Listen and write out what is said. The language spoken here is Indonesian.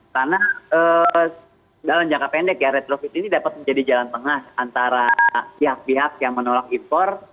karena dalam jangka pendek ya retrofit ini dapat menjadi jalan tengah antara pihak pihak yang menolak impor